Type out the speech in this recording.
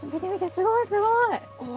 すごいすごい！